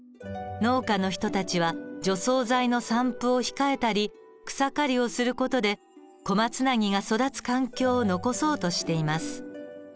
農家の人たちは除草剤の散布を控えたり草刈りをする事でコマツナギが育つ環境を残そうとしています。